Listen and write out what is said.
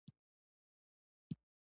تعلیم د ماشومانو د مړینې کچه ټیټوي.